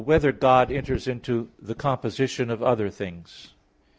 8] Whether God Enters into the Composition of Other Things?